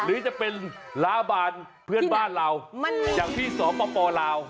หรือจะเป็นล้าบานเพื่อนบ้านเราอย่างพี่สปลาว